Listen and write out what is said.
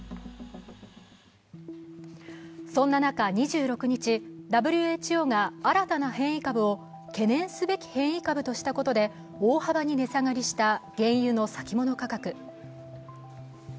そんな中、２６日、ＷＨＯが新たな変異株を懸念すべき変異株としたことで大幅に値下がりした原油の先物価格。